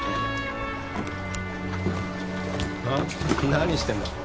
何してんだ？